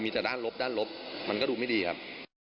มีแต่ด้านลบด้านลบมันก็ดูไม่ดีครับ